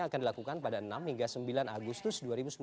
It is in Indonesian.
akan dilakukan pada enam hingga sembilan agustus dua ribu sembilan belas